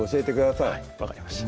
はい分かりました